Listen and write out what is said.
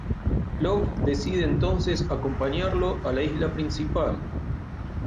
Locke decide entonces acompañarlo a la isla principal.